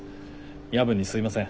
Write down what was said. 夜分にすいません。